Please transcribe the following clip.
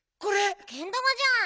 けん玉じゃん。